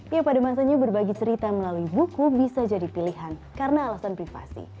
ya pada masanya berbagi cerita melalui buku bisa jadi pilihan karena alasan privasi